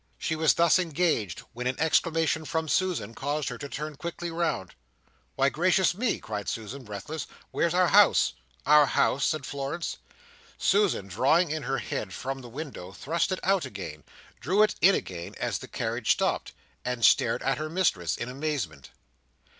She was thus engaged, when an exclamation from Susan caused her to turn quickly round. "Why, Gracious me!" cried Susan, breathless, "where's our house!" "Our house!" said Florence. Susan, drawing in her head from the window, thrust it out again, drew it in again as the carriage stopped, and stared at her mistress in amazement.